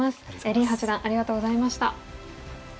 林八段ありがとうございました。